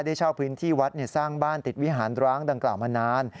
ได้เช่าพื้นที่วัดสร้างบ้านติดวิหารร้างดังกล่าวมานาน